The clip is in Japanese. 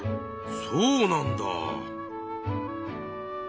そうなんだ。